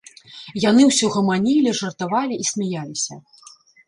Яны ўсё гаманілі, жартавалі і смяяліся.